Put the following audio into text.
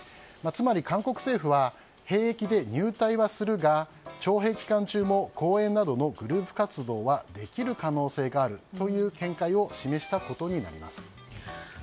韓国政府は兵役で入隊はするが徴兵期間中も公演などのグループ活動はできる可能性があるという見解を示したことになります。